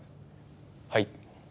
はい。